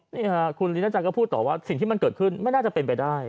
นี่ค่ะคุณลีน่าจังก็พูดต่อว่าสิ่งที่มันเกิดขึ้นไม่น่าจะเป็นไปได้